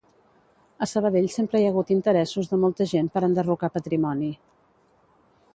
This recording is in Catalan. A Sabadell sempre hi ha hagut interessos de molta gent per enderrocar patrimoni